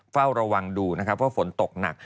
เฝ้าระวังดูเพราะฝนตกหนัก